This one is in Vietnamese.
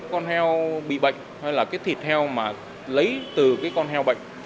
con heo bị bệnh hay là cái thịt heo mà lấy từ cái con heo bệnh